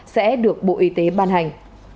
sẽ được bộ y tế ban hành